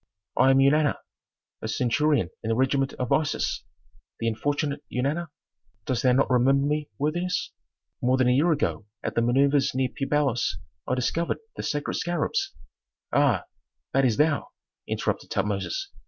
"I am Eunana, a centurion in the regiment of Isis. The unfortunate Eunana. Dost thou not remember me, worthiness? More than a year ago at the manœuvres near Pi Bailos I discovered the sacred scarabs " "Ah, that is thou!" interrupted Tutmosis.